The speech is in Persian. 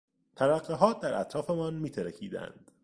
ترقهها در اطرافمان میترکیدند.